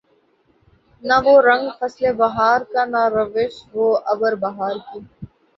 نہ وہ رنگ فصل بہار کا نہ روش وہ ابر بہار کی